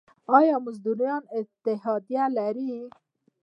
آیا مزدوران اتحادیه لري؟